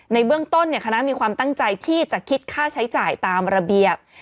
ในเบื้องต้นคณะมีความตั้งใจที่จะคิดค่าใช้จ่ายตามระเบียบ